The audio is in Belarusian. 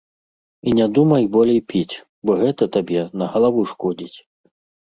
І не думай болей піць, бо гэта табе на галаву шкодзіць.